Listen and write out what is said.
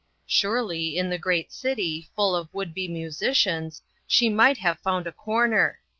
Surely, in the great city, full of would be musicians, she might have found a corner